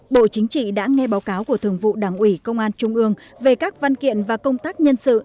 bộ chính trị đã nghe báo cáo của thường vụ đảng ủy công an trung ương về các văn kiện và công tác nhân sự